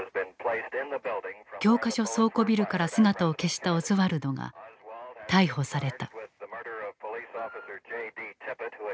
教科書倉庫ビルから姿を消したオズワルドが逮捕された。